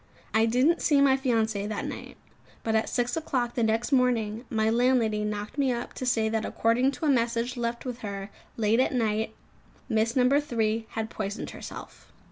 I didn't see my fiancée that night: but at six o'clock the next morning, my landlady knocked me up to say that according to a message left with her late at night Miss No. 2 had poisoned herself.